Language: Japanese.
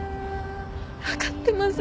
分かってます。